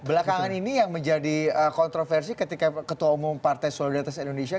belakangan ini yang menjadi kontroversi ketika ketua umum partai solidaritas indonesia